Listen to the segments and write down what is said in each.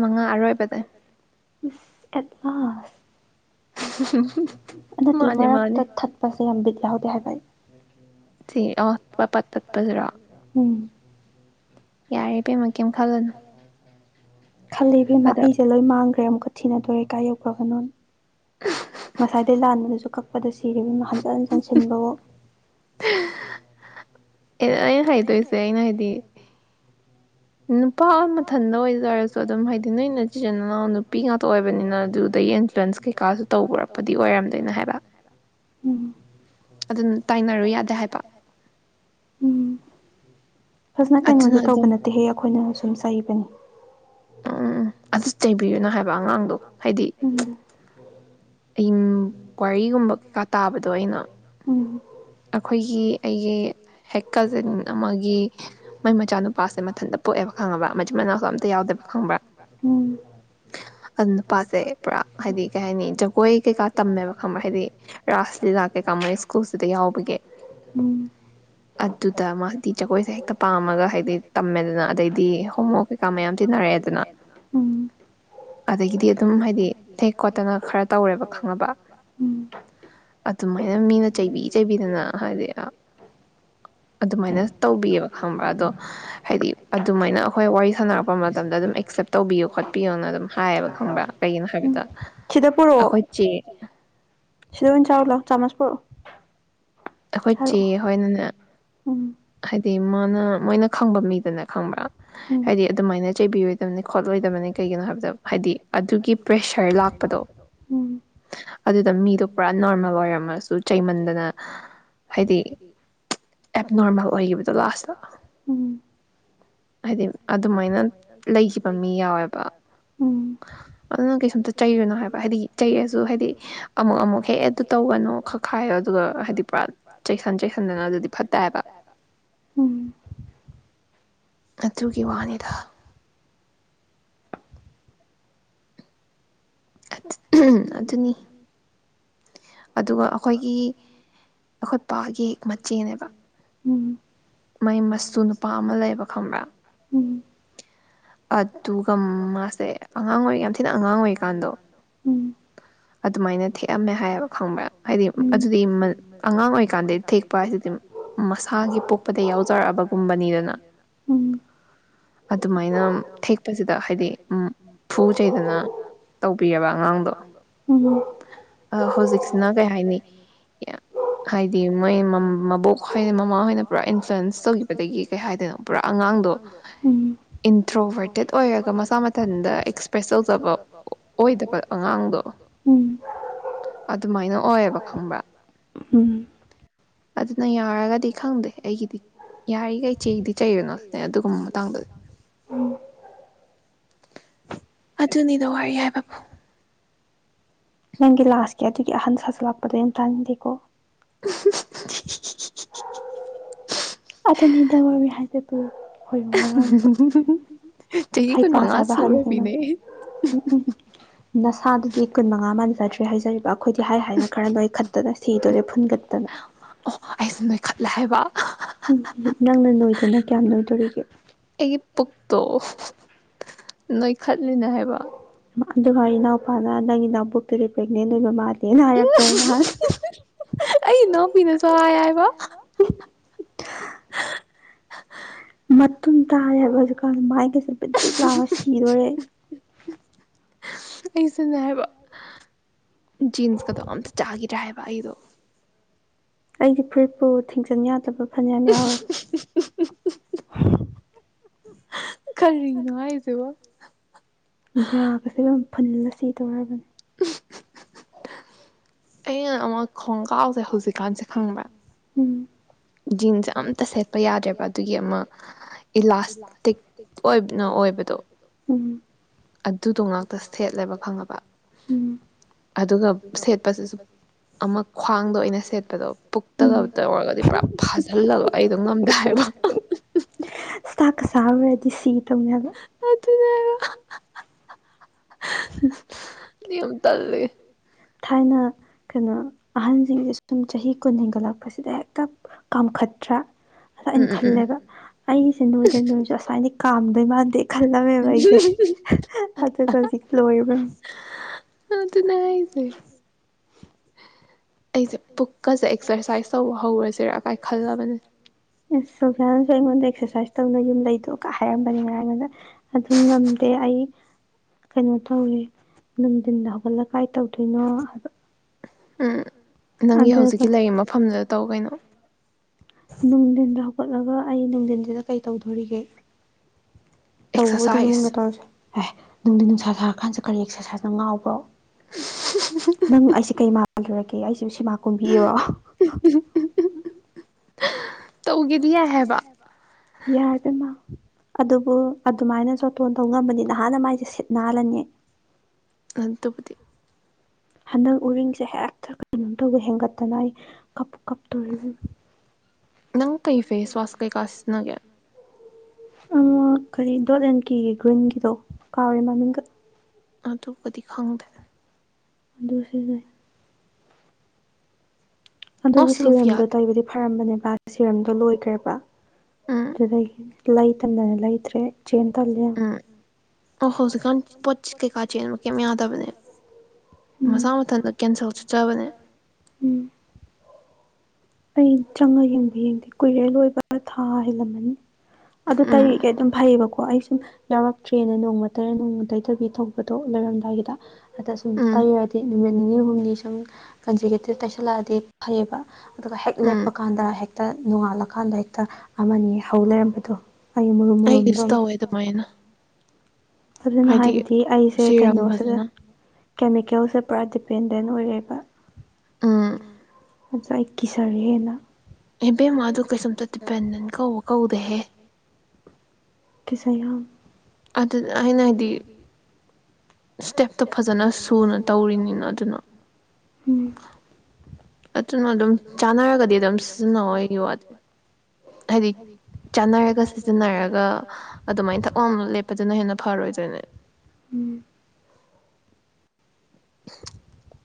ꯃꯉꯥ ꯑꯔꯣꯏꯕꯗ ꯑꯦꯠꯂꯥꯁ [unintelligible] ꯃꯔꯒ ꯇ ꯊꯠꯄꯁꯤ ꯌꯥꯝꯕꯤꯗ ꯌꯥꯎ [unintelligible] ꯁꯤ ꯑꯣ ꯄꯠ ꯄꯠ ꯇꯠꯄꯁꯤꯔꯣ ꯌꯥꯔꯦ ꯏꯕꯦꯝ [unintelligible] ꯈꯜꯂꯤꯏꯕꯦꯝꯃꯥ ꯑꯩꯁꯦ ꯂꯣꯏ ꯃꯥꯡ ꯀꯔꯤ ꯑꯃꯨꯛꯀ ꯊꯤꯅꯗꯣꯔꯦ ꯀꯥꯏ ꯌꯧꯈ꯭ꯔꯕꯅꯣꯅ ꯉꯁꯥꯏꯗꯩ ꯂꯥꯟꯕꯗꯁꯨ ꯀꯛ ꯄꯗ [unintelligible] ꯍꯟꯖꯟ ꯍꯟꯖꯟꯁꯤꯟꯕꯑꯣ ꯑꯦ [unintelligible] [unintelligible] ꯑꯩꯅ ꯍꯥꯏꯗꯤ ꯅꯨꯄꯥ ꯃꯊꯟꯗ ꯑꯣꯏꯖꯔꯁꯨ ꯑꯗꯨꯝ ꯍꯥꯏꯗꯤ ꯅꯣꯏꯅꯆꯤꯟ ꯅꯅꯥꯎ ꯅꯨꯄꯤ ꯉꯥꯛꯇ ꯑꯣꯏꯕꯅꯤꯅ ꯑꯗꯨꯗꯒꯤ ꯏꯟꯐ꯭ꯂꯨꯋꯟꯁ ꯀꯩꯀꯥꯁꯨ ꯇꯧꯕ ꯄꯨꯔꯛꯄꯗꯤ ꯑꯣꯏꯔꯝꯗꯣꯏꯅꯦ ꯍꯥꯏꯕ ꯑꯗꯨꯅ ꯇꯥꯏꯅꯔꯨ ꯌꯥꯗꯦ ꯍꯥꯏꯕ ꯐꯖꯅ ꯀꯩꯅꯣꯗꯤ ꯇꯧꯕ ꯅꯠꯇꯦꯍꯦ ꯑꯩꯈꯣꯏꯅ ꯂꯩꯕꯅꯤ ꯑꯥ [unintelligible] ꯑꯗꯨ ꯆꯩꯕꯤꯔꯨꯅꯨ ꯍꯥꯏꯕ ꯑꯉꯥꯡꯗꯣ ꯎꯝ ꯎꯝꯕ ꯇꯥ [unintelligible] ꯑꯩꯒꯤ ꯍꯒꯤ ꯃꯆꯥꯅꯄꯥꯑꯦ ꯐꯪꯉꯕ ꯃꯆꯤꯟ ꯃꯅꯥꯎꯄꯥ ꯑꯝ ꯌꯥꯎꯗꯕ ꯐꯪꯕ꯭ꯔꯥ ꯑꯗꯨ [unintelligible] ꯖꯒꯣꯏ ꯀꯩꯀꯥ ꯇꯝ ꯁꯀꯨꯜꯗ ꯌꯥꯎꯕ [unintelligible] ꯑꯗꯨꯗ ꯃꯥꯗꯤ ꯖꯒꯣꯏꯁꯦ ꯍꯦꯛꯇ ꯄꯥꯝꯃꯒ ꯍꯥꯏꯗꯤ ꯇꯝꯃꯦꯗꯅ ꯑꯗꯩꯗꯤ ꯍꯣꯃꯣ ꯀꯩꯀꯥ ꯃꯌꯥꯝ ꯇꯤꯟꯅꯔꯛꯑꯦꯗꯅ ꯑꯗꯒꯤꯗꯤ ꯑꯗꯨꯝ ꯍꯥꯏꯗꯤ ꯊꯦꯛ ꯈꯣꯠꯇꯅ ꯈꯔ ꯇꯧꯔꯦꯕ ꯈꯪꯉꯕ ꯑꯗꯨꯃꯥꯏꯅ ꯃꯤꯅ ꯆꯩꯕꯤ ꯆꯩꯕꯤꯗꯅ ꯍꯥꯏꯗꯤ ꯑꯗꯨꯃꯥꯏꯅ ꯇꯧꯕꯤꯑꯕ ꯈꯪꯕ꯭ꯔꯥ ꯑꯗꯣ ꯍꯥꯏꯗꯤ ꯑꯗꯨꯃꯥꯏꯅ ꯑꯩꯈꯣꯏ ꯋꯥꯔꯤ ꯁꯥꯟꯅꯔꯛꯄ ꯃꯇꯝꯗ ꯑꯗꯨꯝ ꯑꯦꯛꯁꯦꯞ ꯇꯧꯕꯤꯌꯣ ꯈꯣꯠꯄꯤꯌꯣꯅ ꯑꯗꯨꯝ ꯍꯥꯏꯌꯦꯕ ꯈꯪꯉꯕꯔꯥ ꯀꯩꯒꯤꯅꯣ ꯍꯥꯏꯕꯗ ꯁꯤꯗꯑꯣꯏꯌꯅ ꯆꯥꯔꯨ ꯂꯥꯛꯎ ꯆꯃꯁ ꯄꯨꯔꯛꯎ ꯑꯩꯈꯣꯏ ꯆꯦ ꯍꯣꯏꯅꯅꯦ ꯍꯥꯏꯗ ꯃꯥꯅ ꯃꯣꯏꯅ ꯈꯪꯕ ꯃꯤꯗꯅꯦ ꯈꯪꯕ꯭ꯔꯥ ꯍꯥꯏꯗꯤ ꯑꯗꯨꯃꯥꯏꯅ ꯆꯩꯕꯤꯔꯣꯏꯗꯕꯅꯤ ꯈꯣꯠꯂꯣꯏꯗꯕꯅꯤ ꯀꯩꯒꯤꯅꯣ ꯍꯥꯏꯕꯗ ꯍꯥꯏꯗꯤ ꯑꯗꯨꯒꯤ ꯄ꯭ꯔꯦꯁꯔ ꯂꯥꯛꯄꯗꯣ ꯑꯗꯨꯗ ꯃꯤꯗꯣ ꯄꯨꯔꯥ ꯅꯣꯔꯃꯦꯜ ꯑꯣꯏꯔꯝꯃꯁꯨ ꯆꯩꯃꯟꯗꯅ ꯍꯥꯏꯗꯤ ꯑꯦ ꯑꯣꯏ ꯂꯥꯁ ꯎꯝ [unintelligible] ꯍꯥꯏꯗꯤ ꯑꯗꯨꯃꯥꯏꯅ ꯂꯩꯈꯤꯕ ꯃꯤ ꯌꯥꯎꯋꯦꯕ ꯑꯗꯨꯅ ꯀꯩꯁꯨꯝꯇ ꯆꯩꯒꯅꯨ ꯍꯥꯏꯕ ꯍꯥꯏꯗꯤ ꯆꯩꯔꯁꯨ ꯍꯥꯏꯗꯤ ꯑꯃꯨꯛ ꯑꯃꯨꯛ ꯍꯦꯛ ꯍꯦꯛ ꯑꯗꯨ ꯇꯧꯒꯅꯨ ꯈꯛ ꯍꯥꯏꯌꯣ ꯑꯗꯨꯒ ꯍꯥꯏꯗꯤ ꯄꯨꯔꯥ ꯆꯩꯁꯟ ꯆꯩꯁꯟꯗꯅ ꯑꯗꯨꯗꯤ ꯐꯠꯇꯦ ꯍꯥꯏꯕ ꯑꯗꯨꯒꯤ ꯋꯥꯅꯤꯗ ꯑ [unintelligible] ꯎꯝ ꯑꯗꯨꯅꯤ ꯑꯗꯨꯒ ꯑꯩꯈꯣꯏꯒꯤ ꯑꯩꯈꯣꯏꯄꯥꯒꯤ ꯍꯦꯛ ꯃꯆꯦꯅꯦꯕ ꯎꯝ ꯃꯥꯏ ꯃꯁꯨ ꯅꯨꯄꯥ ꯑꯃ ꯂꯩꯑꯦꯕ ꯈꯪꯕ꯭ꯔꯥ ꯎꯝ ꯑꯗꯨꯒ ꯃꯥꯁꯦ ꯑꯉꯥꯡ ꯑꯣꯏꯔꯤꯉꯩ ꯌꯥꯝ ꯊꯤꯅ ꯑꯉꯥꯡ ꯑꯣꯏꯔꯤꯀꯥꯟꯗꯣ ꯎꯝ ꯑꯗꯨꯃꯥꯏꯅ ꯊꯦꯛꯑꯝꯃꯦ ꯍꯥꯏꯌꯦꯕ ꯈꯪꯕꯔꯥ ꯎꯝ ꯑꯗꯨꯗꯤ ꯑꯉꯥꯡ ꯑꯣꯏꯔꯤꯀꯥꯟꯗꯩ ꯊꯦꯛꯄ ꯍꯥꯏꯗꯤ ꯃꯁꯥꯒꯤ ꯄꯣꯄꯗꯤ ꯌꯥꯎꯖꯔꯛꯑꯕꯒꯨꯝꯕꯅꯤꯗꯅ ꯎꯝ ꯑꯗꯨꯃꯥꯏꯅ ꯊꯦꯛꯄꯁꯤꯗ ꯍꯥꯏꯗꯤ ꯐꯨ ꯆꯩꯗꯅ ꯇꯧꯕꯤꯑꯦꯕ ꯑꯉꯥꯡꯗꯣ꯫ ꯑ ꯍꯧꯖꯤꯛꯁꯤꯅ ꯑꯗꯨꯅ ꯀꯩ ꯍꯥꯏꯅꯤ ꯍꯥꯏꯗꯤ ꯃꯣꯏ ꯍꯥꯏꯗꯤ ꯃꯃꯥꯍꯣꯏꯅ ꯄꯨꯔꯥ ꯏꯟꯐ꯭ꯂꯨꯌꯦꯟꯁ ꯇꯧꯕꯗꯒꯤ ꯀꯩ ꯍꯥꯏꯗꯣꯏꯅꯣ ꯄꯨꯔꯥ ꯑꯉꯥꯡꯗꯣ ꯎꯝ ꯏꯟꯊ꯭ꯔꯣꯚ꯭ꯔꯇꯦꯠ ꯑꯣꯏꯔꯒ ꯃꯁꯥ ꯃꯊꯟꯗ ꯑꯦꯛꯁꯄ꯭ꯔꯦꯁ ꯇꯧꯖꯕ ꯑꯣꯏꯗꯕ ꯑꯉꯥꯡꯗꯣ ꯎꯝ ꯑꯗꯨꯃꯥꯏꯅ ꯑꯣꯏꯑꯕ ꯈꯪꯕ꯭ꯔꯥ꯫ ꯑꯗꯨꯅ ꯌꯥꯔꯒ ꯗꯤ ꯈꯪꯗꯦ ꯑꯩꯒꯤꯗꯤ ꯌꯥꯔꯤꯒꯩ ꯆꯩꯗꯤ ꯆꯩꯔꯅꯣ ꯁꯤꯅꯦ ꯑꯗꯨꯒꯨꯝꯕ ꯃꯇꯥꯡꯗꯗꯤ꯫ ꯑꯗꯨꯅꯤꯗ ꯋꯥꯔꯤ ꯍꯥꯏꯕꯕꯨ꯫ ꯅꯪꯒꯤ ꯂꯥꯁꯀꯦ ꯑꯗꯨꯒꯤ ꯑꯍꯟ ꯁꯥꯖꯜꯂꯛꯄꯗꯣ ꯌꯥꯝ ꯇꯥꯅꯤꯡꯗꯦꯀꯣ꯫ [unintelligible] ꯑꯗꯨꯅꯤꯗ ꯋꯥꯔꯤ ꯍꯥꯏꯕꯕꯨ꯫ ꯍꯣꯏ ꯉꯔꯥꯡ ꯂꯤꯠꯄ [unintelligible] ꯍꯩꯄꯥ ꯁꯥꯕ ꯍꯥꯅꯨꯕꯤꯅ ꯎꯝ ꯎꯝ ꯅꯁꯥꯗꯨꯗꯤ ꯀꯨꯟ ꯃꯉꯥ ꯑꯃꯥꯅꯤ ꯅꯠꯇ꯭ꯔꯦ ꯍꯥꯏꯖꯔꯤꯕ ꯑꯩꯈꯣꯏꯗꯤ ꯍꯥꯏ ꯍꯥꯏꯅ ꯈꯔ ꯅꯣꯏꯈꯠꯇꯅ ꯁꯤꯗꯣꯔꯦ ꯐꯨꯟꯒꯠꯇꯅ ꯈꯠꯂꯦ ꯍꯥꯏꯕ ꯎ ꯅꯪꯅ ꯅꯣꯏꯗꯅ ꯀꯌꯥꯝ ꯅꫭꯏꯗꯣꯔꯤꯒꯦ ꯄꯛ ꯇꯣ ꯅꯣꯏꯈꯠꯂꯤꯅꯦ ꯍꯥꯏꯕ ꯑꯗꯨꯒ ꯏꯅꯥꯎꯄꯥꯅ ꯅꯪꯒꯤ ꯅꯕꯨꯛꯇꯨꯗꯤ ꯄ꯭ꯔꯦꯒꯅꯦꯟ ꯑꯣꯏꯕ ꯃꯥꯜꯂꯦ ꯎꯝ [unintelligible] ꯑꯩ ꯏꯅꯥꯎꯄꯤꯅꯁꯨ ꯍꯥꯏ ꯍꯥꯏꯕ [unintelligible] ꯃꯇꯨ ꯝ ꯇꯥꯔꯦꯕ ꯑꯩꯖꯨ ꯍꯧꯖꯤꯛꯀꯥꯟ ꯃꯥꯏꯒꯥꯖꯦ [unintelligible] ꯁꯤꯗꯣꯔꯦ ꯑꯩ ꯑꯩꯁꯨꯅꯦ ꯍꯥꯏꯕ ꯖꯤꯟꯁꯀꯗꯣ ꯑꯝꯇ ꯆꯥꯈꯤꯔꯦ ꯍꯥꯏꯕ ꯑꯩꯗꯣ ꯑꯩꯒꯤ ꯐꯨꯔꯤꯠꯄꯨ ꯊꯤꯡꯖꯤꯟ ꯌꯥꯗꯕ ꯐꯅꯌꯥꯝ ꯌꯥꯎꯔꯦ ꯀꯥꯔꯤꯅꫭ ꯍꯥꯏꯖꯤꯕꫭ ꯕ꯭ꯔꯥꯒꯁꯦ ꯏꯕꯦꯝꯄ ꯐꯨꯜꯂ ꯁꯤ ꯗꫭꯔꯕꯅꯤ ꯑꯩꯅ ꯑꯃꯥ ꯈꯣꯡꯒꯥꯎ [unintelligible] ꯎꯝ ꯑꯗꯨꯗꫭ ꯉꯥꯛꯇ ꯁꯦꯠꯂꯕ ꯈꯪꯉꯕ ꯑꯗꯨꯒ ꯁꯦꯠꯄꯁꯤꯁꯨ ꯑꯃ ꯈ꯭ꯋꯥꯡ ꯗꯣ ꯑꯩꯅ ꯁꯦꯠꯄꯗꯣ ꯄꯨꯛꯇꯒ ꯑꯣꯏꯔꯒꯗꯤ ꯄꯨꯔꯥ ꯐꯥꯖꯜꯂꯒ ꯑꯩꯗꯣ ꯉꯝꯗꯦ ꯍꯥꯏꯕ [unintelligible] ꯁꯕ꯭ꯔꯗꯤ ꯁꯤ [unintelligible] [unintelligible] ꯅꯤ ꯌꯥꯝ ꯇꯜꯂꯦ ꯊꯥꯏꯅ ꯀꯩꯅꯣ ꯑꯍꯟꯁꯤꯡꯅ ꯁꯨꯝ ꯆꯍꯤ ꯀꯨꯟꯒ ꯍꯦꯒꯠꯂꯛꯄꯁꯤꯗ ꯍꯦꯛꯇ ꯀꯥꯝꯈꯠꯇ꯭ꯔꯥ ꯑꯗ ꯑꯩꯅ ꯈꯜꯂꯦꯕ ꯑꯩꯒꯤꯁꯦ ꯅꯣꯏꯕ꯭ꯔ ꯅꯣꯏꯗ꯭ꯔ ꯑꯁꯥꯏꯅꯥ ꯀꯥꯝꯗ ꯃꯥꯟ ꯗꯤ ꯈꯜꯂꯝꯃꯦꯕ ꯑꯩꯁꯦ ꯑꯗꯨꯒ ꯑꯩꯁꯦ ꯀꯂꯣꯏꯕ ꯁꯤꯁꯦ ꯑꯩꯁꯦ ꯄꯨꯛꯀꯁꯦ ꯑꯦꯛꯁꯔꯁꯥꯏꯁ ꯇꯧꯕ ꯍꯧꯔꯁꯤꯔꯥ ꯈꯜꯂꯕꯅꯤ ꯆꯧꯖꯥꯅꯁꯨ ꯑꯩꯉꯣꯟꯗ ꯑꯦꯛꯁꯔꯁꯥꯏꯁ ꯇꯧꯅꯕꯅꯤ ꯂꯩꯗꯣ ꯀꯥꯏ ꯍꯥꯏꯔꯝꯕꯅꯤꯅ ꯑꯩꯉꯣꯟꯗ ꯑꯗꯨꯝ ꯉꯝꯗꯦ ꯑꯩ- ꯀꯩꯅꯣ ꯇꯧꯋꯦ ꯅꯨꯡꯊꯤꯟꯗ ꯍꯧꯒꯠꯂ ꯀꯥꯏ ꯇꯧꯗꯣꯏꯅꯣ ꯍꯥꯏꯕ ꯎꯨꯝ ꯅꯪꯒꯤ ꯍꯧꯖꯤꯛꯀꯤ ꯂꯩꯔꯤ ꯃꯐꯝꯗꯨꯗ ꯇꯧ ꯀꯩꯅꯣ ꯅꯨꯡꯗꯤꯟꯗ ꯍꯧꯒꯠꯂꯒ ꯑꯩ ꯅꯨꯡꯗꯤꯟꯁꯤꯗ ꯀꯩ ꯇꯧꯗꯣꯔꯤꯒꯦ ꯇꯧꯕꯗꯤ ꯌꯨꯝꯗ ꯇꯧꯔꯁꯨ ꯑꯦ ꯅꯪꯡꯗꯤꯟ ꯅꯨꯡꯁꯥ ꯁꯥꯔꯀꯥꯟꯁꯤꯗ ꯀꯔꯤ ꯑꯦꯛꯁꯔꯁꯥꯏꯖ ꯅꯪ ꯉꯥꯎꯕ꯭ꯔꯣ ꯅꯪ ꯑꯩꯁꯤ ꯀꯩ ꯃꯥꯜ ꯍꯖꯔꯛꯀꯦ ꯍꯥꯏꯁꯨ ꯁꯤꯃ ꯀꯨꯝꯕꯤꯔꯣ ꯇꯧꯒꯤꯠ ꯀꯩ ꯍꯥꯏꯕꯅꯣ ꯑꯗꯨꯕꯨ ꯑꯗꯨꯃꯥꯏꯅ ꯖꯣꯇꯣꯟ ꯇꯧ ꯉꯝꯃꯅꯤ ꯅꯍꯥꯟꯅ ꯃꯥꯏꯁꯦ ꯁꯤꯠ ꯅꯥꯜꯂꯅꯤ ꯑꯗꯨꯕꯨꯗꯤ ꯍꯟꯗꯛ ꯎꯔꯤꯡꯁꯦ ꯍꯦꯛꯇꯥ ꯀꯩꯅꯣꯝ ꯇꯧꯒꯩ ꯍꯦꯟꯒꯠꯇꯅ ꯑꯩ ꯀꯞꯄꯨ ꯀꯞꯇꯣꯔꯦꯕꯣ ꯅꯪ ꯀꯩ ꯐꯦꯁ ꯋꯥꯁ ꯀꯩ-ꯀꯥ ꯁꯤꯖꯤꯟꯅꯒꯦ ꯑꯥ-ꯀꯔꯤ ꯗꯣꯠ ꯑꯦꯟ ꯀꯤꯒꯤ ꯒ꯭ꯔꯤꯟꯒꯤꯗꯣ ꯀꯥꯎꯔꯦ ꯃꯃꯤꯡꯒ ꯑꯇꯣꯞꯄꯗꯤ ꯈꯪꯗꯦ ꯗꯣ ꯁꯤꯒꯤ ꯑꯗꯨ ꯁꯤꯔꯝꯗ ꯇꯧꯕꯗꯣ ꯐꯥ ꯐꯔꯝꯕꯅꯦꯕ ꯁꯦꯜꯗꯨ ꯂꯩꯇ꯭ꯔꯦꯕ ꯗꯨꯗꯩ ꯂꯩ ꯇꯟꯗꯅ ꯂꯩꯇ꯭ꯔꯦ ꯎꯝ ꯑꯣ ꯍꯧꯖꯤꯛꯀꯥꯟ ꯄꯣꯠ-ꯆꯩ ꯀꯩꯀꯥ ꯆꯦꯟꯕ ꯀꯩꯝ ꯌꯥꯗꯕꯅꯦ ꯃꯁꯥ ꯃꯊꯟꯗ ꯀꯦꯟꯁꯦꯜ ꯆꯠꯆꯕꯅꯦ ꯑꯩ ꯆꯪꯉ ꯌꯦꯡꯗꯤ ꯌꯦꯡꯗꯦ ꯀꯨꯏꯔꯦ ꯂꯣꯏꯒꯤꯕ ꯊꯥ ꯍꯦꯜꯂꯝꯃꯅꯤ ꯑꯗꯨ ꯇꯩꯒꯦ ꯑꯗꯨꯝ ꯐꯩꯌꯦꯕꯀꯣ ꯑꯣ ꯑꯩ ꯁꯨꯝ ꯌꯥꯎꯔꯛꯇ꯭ꯔꯦꯅ ꯅꯣꯡꯃꯇ ꯅꯣꯡꯃꯇꯗꯕꯤ ꯊꯧꯕꯗꯣ ꯂꯩꯔꯝꯗꯥꯏꯒꯤꯗ ꯇꯥꯏꯌꯦ ꯍꯥꯏꯗꯤ ꯅꯨꯃꯤꯠ ꯅꯤꯅꯤ ꯍꯨꯝꯅꯤ ꯁꯨꯝ ꯀꯟꯦ ꯇꯥꯏꯁꯜꯂꯛꯑꯗꯤ ꯐꯩꯌꯦꯕ ꯑꯗꯨꯒ ꯍꯦꯛ ꯂꯦꯞꯄꯀꯥꯟꯗ ꯍꯦꯛꯇ ꯅꯣꯡꯉꯥꯜꯂꯀꯥꯟꯗ ꯍꯦꯛꯇ ꯑꯃꯅꯤ ꯍꯧ ꯂꯩꯔꯝꯕꯗꯣ ꯑꯩ ꯃꯨꯔꯨꯝ ꯃꯨꯝꯗꯣ ꯑꯃ ꯑꯗꯨꯅ ꯍꯥꯏꯕꯗꯤ ꯑꯩꯁꯦ ꯀꯩꯅꯣꯁꯤꯗ ꯀꯦꯃꯤꯀꯦꯜꯁꯦ ꯄꯨꯔꯥ ꯗꯤꯄꯦꯟꯗꯦꯟ ꯑꯣꯏꯔꯦꯕ ꯎꯝ ꯑ ꯑꯩ ꯀꯤꯁꯔꯦ ꯍꯦꯟꯅ ꯏꯕꯦꯝ ꯃꯥꯗꯨ ꯀꯩꯁꯝꯇ ꯇ ꯄꯅꯅꯀ ꯍꯧꯗ ꯀꯁꯥꯏ ꯌꯥꯝ ꯑꯗꯨ ꯑꯩꯅ ꯍꯥꯏꯗꯤ ꯏꯁꯇꯦꯞꯇꯣ ꯐꯖꯅ ꯁꯨꯅ ꯇꯧꯔꯤꯅꯤꯅ ꯑꯗꯨꯅ ꯎꯝ ꯑꯗꯨꯅ ꯑꯗꯨꯝ ꯆꯥꯅꯔꯒꯗꯤ ꯑꯗꯨꯝ ꯁꯤꯖꯤꯟꯅꯧ ꯑꯩꯒꯤ ꯋꯥꯗꯤ ꯍꯥꯏꯗꯤ ꯆꯥꯅꯔꯒ ꯁꯤꯖꯤꯟꯅꯔꯒ ꯑꯗꯨꯃꯥꯏꯅ ꯊꯛꯅꯕ ꯂꯦꯞꯄꯗꯨꯅ ꯍꯦꯟꯅ ꯐꯔꯣꯏꯗꯣꯏꯅꯦ [unintelligible]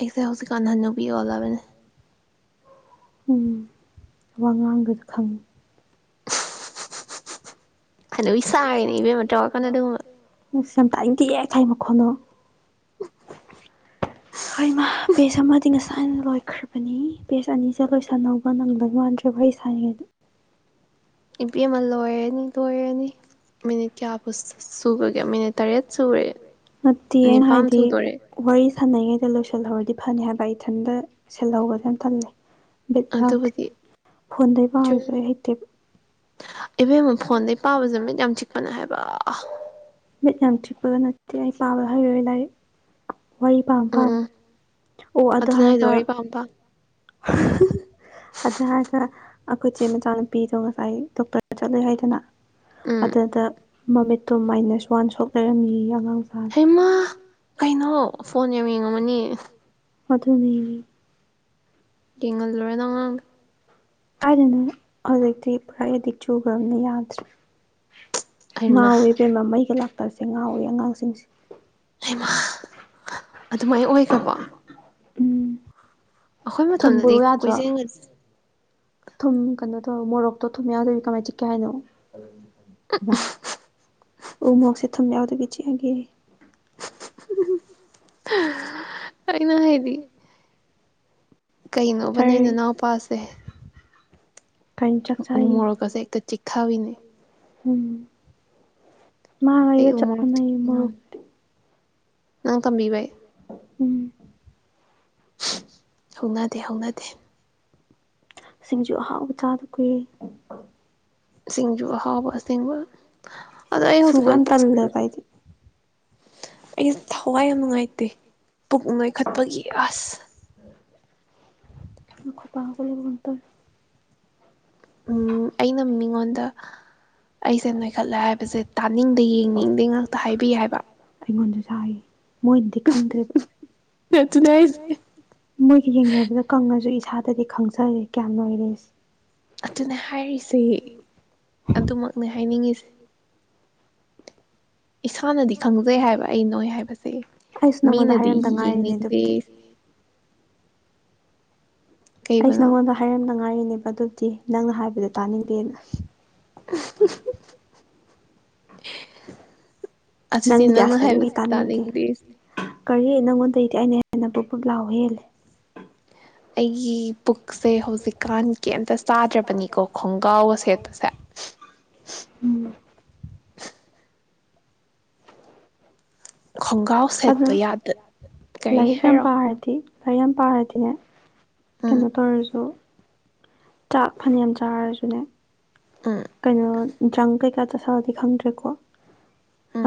ꯑꯦꯁꯦ ꯍꯧꯖꯤ ꯀꯥꯟꯅꯍꯟꯅꯨꯕꯤ ꯑꯣꯜꯂꯕꯅꯦ ꯎꯝ ꯋꯥꯉꯥꯡꯗꯨꯗ ꯈꯪꯉꯤ ꯑꯅꯁ ꯍꯥꯏꯅꯤ ꯏꯕ ꯃꯇ ꯋꯥꯔ ꯀꯅ ꯇꯉ [unintelligible] ꯌꯥꯝ ꯇꯥꯅꯤꯡꯏꯡꯗꯤꯌꯦ ꯀꯩꯃꯈꯣꯟꯅꯣ ꯍꯣꯏ ꯏ ꯃꯥ ꯄꯦꯖ ꯑꯃꯗꯤ ꯉꯁꯥꯏꯅ ꯂꯣꯏꯈ꯭ꯕꯅꯤ ꯄꯦꯖ ꯑꯅꯤꯁꯦ ꯂꯣꯏꯁꯜꯧꯕ ꯅꯪꯗꯧ ꯃꯥꯟꯗ꯭ꯔꯦꯕ ꯑꯩ ꯁꯥꯏꯅꯉꯩꯗ ꯏꯄꯤ ꯑꯃ ꯂꯣꯏꯔꯦꯅꯤ ꯂꯣꯏꯔꯅꯤ ꯃꯤꯅꯤꯠ ꯀꯌꯥꯕꯨ ꯁꯨꯕꯒꯦ ꯃꯤꯅꯤꯠ ꯇꯔꯦꯠ ꯁꯨꯔꯦ ꯅꯠꯇꯦ ꯑꯩꯅ ꯍꯥꯏꯗꯤ ꯋꯥꯔꯤ ꯊꯥꯟꯟꯅꯔꯤꯉꯩꯗ ꯂꯣꯏꯁꯤꯜꯍꯧꯔꯗꯤ ꯐꯅꯤ ꯍꯥꯏꯕ ꯑꯩ ꯏꯊꯟꯇ ꯁꯤꯜꯍꯧꯕꯗꯤ ꯌꯥꯝ ꯇꯜꯂꯦ ꯕꯠ ꯍꯗꯦ ꯐꯣꯟꯗ ꯄꯥꯔꯁꯨ ꯑꯩ ꯍꯩꯇꯦꯕ ꯐꯣꯟ ꯌꯥꯝꯄ ꯃꯤꯠ ꯌꯥꯝ ꯆꯤꯛꯄꯗ ꯅꯠꯇꯦ ꯍꯥꯏ ꯄꯥꯕ ꯍꯩꯔꯣꯏ ꯂꯥꯏꯔꯤꯛ ꯋꯥꯔꯤ ꯄꯥꯝ ꯄꯥꯝ ꯑꯣ ꯑꯗꯨ ꯍꯥꯏꯔꯒ ꯑꯗꯨ ꯍꯥꯏꯔꯒ ꯑꯩꯈꯣꯏꯆꯦ ꯃꯆꯥꯅꯨꯄꯤꯗꯣ ꯉꯁꯥꯏ ꯗꯣꯛꯇꯔ ꯆꯠꯂꯨ ꯍꯥꯏꯗꯅ ꯑꯗꯨꯗ ꯃꯃꯤꯠꯇꯣ ꯃꯥꯏꯅꯁ ꯋꯥꯟ ꯁꯣꯛ ꯂꯩꯔꯝꯃꯤ ꯑꯉꯥꯡ ꯍꯩꯃꯥ ꯀꯩꯅꯣ ꯐꯣꯟ ꯌꯥꯝ ꯌꯦꯡꯉꯝꯃꯅꯤ ꯃꯗꯨꯅꯦꯃꯤ ꯌꯦꯡꯍꯜꯂꯨꯔꯅꯨ ꯑꯉꯥꯡꯗꯣ ꯀꯥꯏꯗꯩꯅꯣꯗ ꯍꯧꯖꯤꯛꯇꯤ ꯄꯨꯔꯥ ꯑꯦꯗꯤꯛ ꯆꯨꯈ꯭ꯔꯃꯤꯅ ꯌꯥꯗ꯭ꯔꯦ ꯉꯥꯎꯏ ꯏꯕꯦꯝꯃ ꯃꯩꯒ ꯂꯥꯛ [unintelligible] ꯉꯥꯎꯋꯤ ꯑꯉꯥꯡꯁꯤꯡꯁꯦ ꯑꯗꯨꯃꯥꯏ ꯑꯣꯏꯒꯕꯣ ꯎꯝ ꯑꯩꯈꯣꯏ ꯃꯇꯝꯗꯗꯤ ꯀꯨꯏꯆꯦꯟꯒ [unintelligible] ꯊꯨꯝ ꯀꯩꯅꯣ ꯇꯧ ꯃꯣꯔꯣꯛꯇꯣ ꯊꯨꯝ ꯌꯥꯎꯗꯔꯗꯤ ꯀꯃꯥꯏꯅ ꯆꯤꯛꯀꯦ ꯍꯥꯏꯅꯣ [unintelligible] ꯎ ꯃꯣꯔꯣꯛꯁꯦ ꯊꯨꯝ ꯌꯥꯑꯗꯕꯤ ꯆꯤꯛ ꯑꯒꯦ ꯑꯩꯅ ꯍꯥꯏꯦꯗꯤ ꯀꯩꯅꯣꯕ ꯅꯣꯏ ꯅꯅꯥꯎꯄꯥꯁꯦ ꯎꯃꯣꯔꯣꯛ ꯀꯁꯦ ꯍꯦꯛꯇ ꯆꯤꯛ [unintelligible] ꯎꯝ ꯃꯥꯒ ꯑꯩꯒ ꯆꯞ ꯃꯥꯟꯅꯩꯑꯦ ꯃꯣꯔꯣꯛꯇꯤ ꯅꯪ ꯇꯝꯕꯤꯚꯏ ꯎꯝ ꯉꯗꯦ ꯍꯧꯅꯗꯦ ꯁꯤꯡꯖꯨ ꯑꯍꯥꯎꯕ ꯆꯥꯗ ꯀꯨꯏꯔꯦ ꯁꯤꯡꯖꯨ ꯑꯍꯥꯥꯎꯕ ꯑꯁꯦꯡꯕ [unintelligible] ꯁꯨꯕ ꯌꯥꯝ ꯇꯟꯗꯕ ꯑꯩꯗꯤ ꯏꯁ ꯊꯋꯥꯏ ꯌꯥꯝ ꯅꯨꯡꯉꯥꯏꯇꯦ ꯄꯨꯛꯅꯤꯡ ꯅꯣꯏꯈꯠꯄꯒꯤ ꯑꯁ ꯑꯩꯈꯣꯏ ꯄꯥ ꯍꯧꯒꯠꯂꯕ ꯀꯩꯅꯣꯝ ꯇꯧꯔꯦ ꯎꯝ ꯑꯩꯅ ꯃꯤꯉꯣꯟꯗ ꯑꯩꯁꯦ ꯅꯣꯏꯈꯠꯂꯦ ꯍꯥꯏꯕꯁꯦ ꯇꯥꯅꯤꯡꯗ ꯌꯦꯡꯅꯤꯡꯗꯦ ꯉꯥꯛꯇ ꯍꯥꯏꯕ ꯄꯤ ꯍꯥꯏꯕ ꯑꯩꯉꯣꯟꯗꯁꯨ ꯍꯥꯏꯔꯤ ꯃꯣꯏꯅꯗꯤ ꯈꯪꯗ꯭ꯔꯦꯕ ꯑꯗꯨꯅꯦ ꯍꯥꯏꯁꯦ ꯃꯣꯏꯒ ꯌꯦꯡꯅꯕꯗ ꯀꯪꯉꯁꯨ ꯑꯩ ꯏꯁꯥꯗꯗꯤ ꯈꯪꯖꯔꯦ ꯀꯌꯥꯝ ꯄꯏꯔꯦꯁꯦ ꯑꯗꯨꯅꯦ ꯍꯥꯏꯔꯤꯁꯦ ꯑꯗꯨꯃꯛꯅꯦ ꯍꯥꯏꯅꯤꯡꯉꯤꯁꯦ ꯏꯁꯥꯅꯗꯤ ꯈꯪꯖꯩ ꯍꯥꯏꯕ ꯑꯩ ꯅꯣꯏ ꯍꯥꯏꯕꯁꯦ ꯃꯤꯅꯗꯤ ꯌꯦꯡꯅꯤꯡꯗꯦ ꯑꯩꯁꯨ ꯅꯪꯉꯣꯟꯗ ꯍꯥꯏꯔꯝꯗ ꯉꯥꯏꯔꯤꯅꯦꯕ ꯑꯗꯨꯗꯤ ꯅꯪꯅ ꯍꯥꯏꯕꯗꯨ ꯇꯥꯅꯤꯡꯗꯦꯅ [inaudible] ꯑꯗꯨꯗꯤ ꯅꯪꯅ ꯍꯥꯏꯕꯁꯨ ꯇꯥꯅꯤꯡꯗꯦ ꯁꯤꯅꯤ ꯀꯔꯤ ꯅꯪꯉꯣꯟꯗꯩꯗꯤ ꯑꯩꯅ ꯍꯦꯟꯅ ꯕꯨꯞ ꯕꯨꯞ ꯂꯥꯎꯕ ꯍꯦꯜꯂꯦ ꯑꯩꯒꯤ ꯄꯨꯛꯁꯦ ꯍꯧꯖꯤꯛꯀꯥꯟ ꯀꯩꯝꯇ ꯆꯥꯗ꯭ꯔꯕꯅꯤꯀꯣ ꯈꯣꯡꯒꯥꯎꯒ ꯁꯦꯠꯄꯁꯦ ꯈꯣꯡꯒ꯭ꯔꯥꯎ ꯁꯦꯠꯄ ꯌꯥꯗ ꯀꯩ ꯍꯥꯏꯔꯛꯑꯣ ꯂꯥꯏꯔꯤꯛ ꯌꯥꯝ ꯄꯥꯔꯗꯤꯅꯦ ꯀꯩꯅꯣ ꯇꯧꯔꯁꯨ ꯆꯥꯛ ꯐꯟꯅ ꯌꯥꯝ ꯆꯥꯔꯁꯨꯅꯦ ꯀꯩꯅꯣ ꯗ꯭ꯔꯨꯛ ꯀꯩꯀꯥ ꯆꯥꯁꯜꯂꯗꯤ ꯈꯪꯗ꯭ꯔꯦꯀꯣ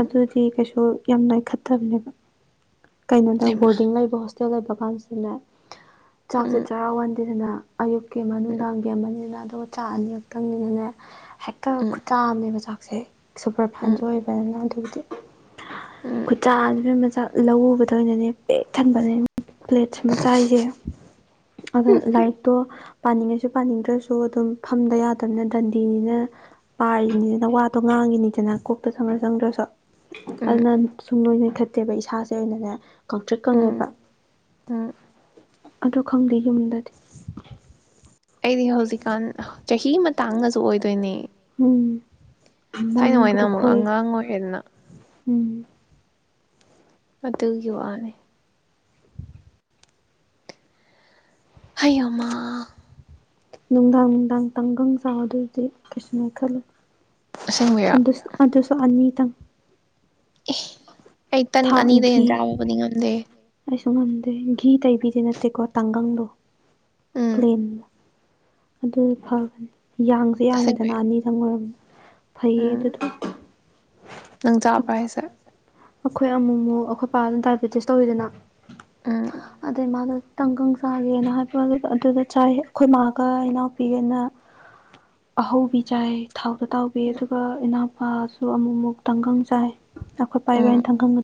ꯑꯗꯨꯗꯤ ꯀꯩꯁꯨ ꯌꯥꯝ ꯅꯣꯢꯈꯠꯇꯕꯅꯦꯕ ꯀꯩꯅꯣꯗ ꯕꯣꯔꯗꯤꯡ ꯂꯩꯕ ꯍꯣꯁ ꯂꯩꯕꯀꯥꯟꯁꯤꯗꯅꯦ ꯆꯥꯛꯁꯦ ꯆꯔꯥ ꯋꯥꯟ ꯂꯦꯗꯅꯥ ꯑꯌꯨꯛꯀꯤ ꯑꯃ ꯅꯨꯡꯗꯥꯡꯒꯤ ꯑꯃꯅꯤꯗꯅ ꯑꯗꯨꯒ ꯆꯥ ꯑꯅꯤꯔꯛꯇꯪꯅꯤꯅꯅꯦ ꯍꯦꯛꯇ ꯈꯨꯆꯥ ꯑꯃꯅꯦꯕ ꯆꯥꯛ ꯁꯦ ꯁꯨꯄꯔ ꯐꯥꯢꯟꯁꯨ ꯑꯣꯏꯕꯅꯤꯅ ꯑꯗꯨꯕꯨꯗꯤ ꯈꯨꯆꯥ ꯑꯃꯅꯦ ꯏꯕꯦꯝꯃ ꯆꯥꯛ ꯂꯧꯎꯕ ꯑꯗꯨꯗ ꯑꯣꯢꯅꯅꯦ ꯄꯤꯛ ꯊꯟꯕꯅꯦ ꯄ꯭ꯂꯦꯠꯁꯤꯃ ꯃꯆꯥꯢꯁꯦ ꯑꯗ ꯂꯥꯏꯔꯤꯛꯇꯣ ꯄꯥꯅꯤꯡꯉꯁꯨ ꯄꯥꯅꯤꯡꯗ꯭ꯔꯁꯨ ꯑꯗꯨꯝ ꯐꯝꯗ ꯌꯥꯗꯕꯅꯤꯅ ꯑꯗꯨꯝ ꯗꯟꯗꯤꯅꯤꯅ ꯄꯥꯔꯤꯅꯤꯗꯅ ꯋꯥꯗꯣ ꯉꯥꯡꯉꯤꯅꯤꯗꯅ ꯀꯣꯛꯇ ꯆꯪꯉꯁꯨ ꯆꯪꯗ꯭ꯔꯁꯨ ꯑꯗꯨꯅ ꯁꯨꯡꯅꯣꯏ ꯅꯣꯏꯈꯠꯇꯦꯕ ꯏꯁꯥꯁꯦ ꯑꯣꯏꯅꯅꯦ ꯀꯪꯇ꯭ꯔꯤꯛ ꯀꯪꯉꯦꯕ ꯑꯗꯨ ꯈꯪꯗꯦ ꯌꯨꯝꯗꯗꯤ ꯑꯩꯗꯤ ꯍꯧꯖꯤꯛꯀꯥꯟ ꯆꯍꯤ ꯃꯇꯥꯡꯅꯁꯨ ꯑꯣꯏꯗꯣꯏꯅꯦ ꯊꯥꯏꯅ ꯋꯥꯏꯅ ꯑꯃꯨꯛ ꯑꯉꯥꯡ ꯑꯣꯏꯔꯦꯗꯅ ꯎꯝ ꯑꯗꯨꯒꯤ ꯋꯥꯅꯦ ꯍꯩꯌꯣꯃꯥ ꯅꯨꯡꯗꯥꯡ ꯅꯨꯡꯗꯥꯡ ꯇꯟꯒꯪ ꯆꯥꯎꯕ ꯑꯗꯨꯗꯤ ꯀꯩꯁꯨ ꯅꯣꯢꯈꯠꯂꯣꯢ ꯑꯗꯨꯁꯨ ꯑꯗꯨꯁꯨ ꯑꯅꯤ ꯇꯪ ꯘꯤ ꯑꯩꯁꯨ ꯉꯝꯗꯦ ꯘꯤ ꯇꯩꯕꯤꯗꯤ ꯅꯠꯇꯦꯀꯣ ꯇꯟꯒꯪꯗꯣ ꯑꯗꯨ ꯐꯕꯅꯤ ꯌꯥꯡꯁꯨ ꯌꯥꯡꯉꯦꯗꯅ ꯑꯅꯤꯗꯪ ꯑꯣꯏꯔꯝ ꯐꯩꯌꯦ ꯑꯗꯨꯗꯣ ꯅꯪ ꯆꯥꯕ꯭ꯔꯥ ꯍꯥꯏꯁꯦ ꯑꯩꯈꯣꯏ ꯑꯃꯨꯛꯃꯨꯛ ꯑꯩꯈꯣꯏ ꯄꯥꯗꯣ ꯗꯥꯏꯕꯦꯇꯤꯁ ꯇꯧꯋꯤꯗꯅ [unintelligible] [unintelligible] ꯇꯪꯒꯪ ꯆꯥꯒꯦꯅ ꯍꯥꯏꯕ ꯑꯗꯨꯗ ꯆꯥꯏ ꯑꯩꯈꯣꯏ ꯃꯥꯒ ꯏꯅꯥꯎꯄꯤꯒꯅ ꯑꯍꯧꯕꯤ ꯆꯥꯏ ꯊꯥꯎꯗ ꯇꯥꯎꯕꯤ ꯑꯗꯨꯒ ꯏꯅꯥꯎꯄꯥꯁꯨ ꯑꯃꯨꯛꯃꯨꯛ ꯇꯟꯈꯪ ꯆꯥꯏ ꯑꯩꯈꯣꯏ ꯄꯥ ꯏꯕꯅꯤ ꯇꯟꯒꯪ